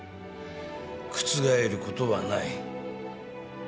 覆ることはない。